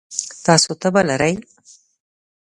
تاسو تبه لرئ؟